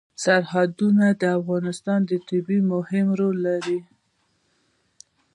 سرحدونه د افغانستان په طبیعت کې مهم رول لري.